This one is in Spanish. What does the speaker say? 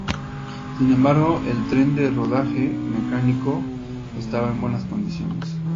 Sin embargo, el tren de rodaje mecánico estaba en buenas condiciones.